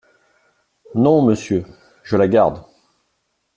Non, monsieur, je la garde !…